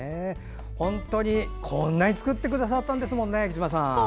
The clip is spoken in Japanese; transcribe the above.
本当にこんなに作ってくださったんですもんね。